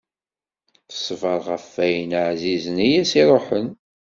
Teṣber ɣef wayen ɛzizen i as-iruḥen.